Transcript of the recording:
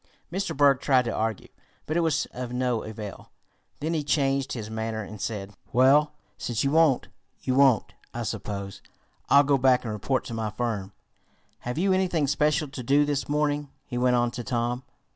Mr. Berg tried to argue, but it was of no avail. Then he changed his manner, and said: "Well, since you won't, you won't, I suppose. I'll go back and report to my firm. Have you anything special to do this morning?" he went on to Tom.